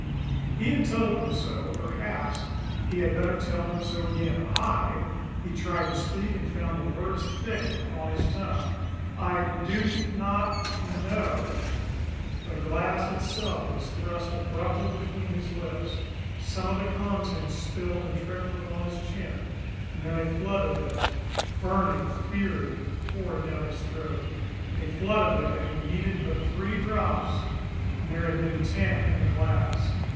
He had told them so perhaps he had better tell them so again. "I " He tried to speak, and found the words thick upon his tongue. "I do not know." The glass itself was thrust abruptly between his lips. Some of the contents spilled and trickled upon his chin, and then a flood of it, burning, fiery, poured down his throat. A flood of it and it needed but THREE drops and there had been TEN in the glass!